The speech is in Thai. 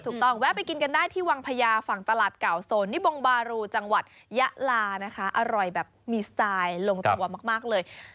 แวะไปกินกันได้ที่วังพญาฝั่งตลาดเก่าโซนนิบงบารูจังหวัดยะลานะคะอร่อยแบบมีสไตล์ลงตัวมากเลย